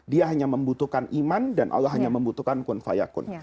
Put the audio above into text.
dia hanya membutuhkan iman dan allah hanya membutuhkan kun fayakun